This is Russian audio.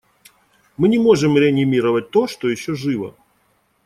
Мы не можем реанимировать то, что еще живо.